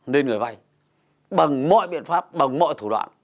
nên người vay bằng mọi biện pháp bằng mọi thủ đoạn